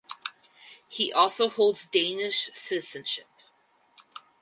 He also holds Danish citizenship.